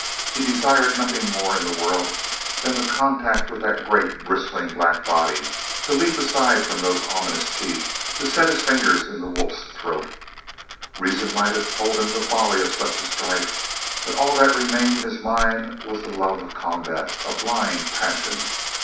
He desired nothing more in the world than the contact with that great, bristling black body, to leap aside from those ominous teeth, to set his fingers in the wolf's throat. Reason might have told him the folly of such a strife, but all that remained in his mind was the love of combat a blind passion.